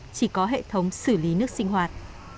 chỉ có hệ thống xử lý nước sinh hoạt